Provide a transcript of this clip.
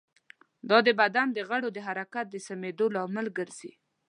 دا د بدن د غړو د حرکت د سمېدو لامل ګرځي.